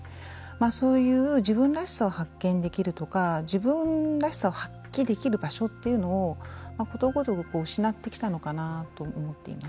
そういう自分らしさを発見できるとか自分らしさを発揮できる場所というのをことごとく失ってきたのかなと思っています。